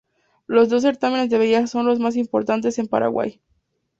Los dos certámenes de belleza son los más importantes en Paraguay.